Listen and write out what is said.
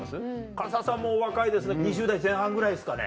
唐沢さんもお若いですね２０代前半ぐらいですかね。